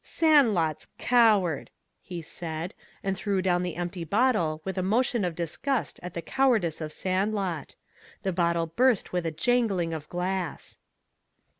"Sandlot's coward!" he said, and threw down the empty bottle with a motion of disgust at the cowardice of Sandlot. The bottle burst with a jangling of glass.